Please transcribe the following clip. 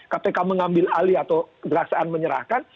kpk mengambil alih atau kederasaan menyerahkan